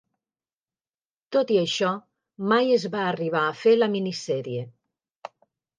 Tot i això, mai es va arribar a fer la mini sèrie.